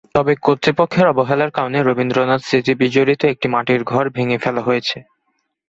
তবে কর্তৃপক্ষের অবহেলার কারণে রবীন্দ্রনাথ স্মৃতিবিজড়িত একটি মাটির ঘর ভেঙে ফেলা হয়েছে।